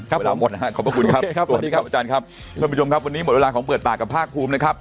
เวลาหมดนะครับขอบคุณครับสวัสดีครับอาจารย์ครับ